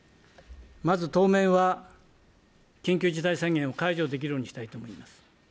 まず当面は、緊急事態宣言を解除できるようにしたいと思います。